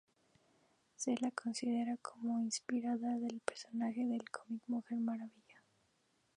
Se la considera como inspiradora del personaje del cómic Mujer Maravilla.